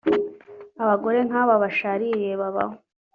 Abagore nk’aba bashaririye babaho